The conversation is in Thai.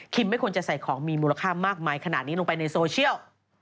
ไม่ควรจะใส่ของมีมูลค่ามากมายขนาดนี้ลงไปในโซเชียล